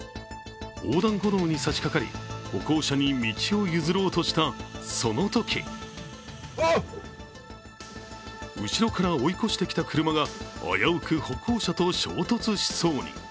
横断歩道にさしかかり歩行者に道を譲ろうとしたそのとき後ろから追い越してきた車が危うく歩行者と衝突しそうに。